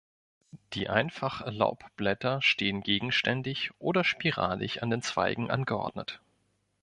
Die einfach Laubblätter stehen gegenständig oder spiralig an den Zweigen angeordnet.